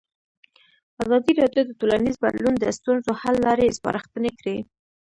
ازادي راډیو د ټولنیز بدلون د ستونزو حل لارې سپارښتنې کړي.